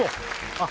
あっ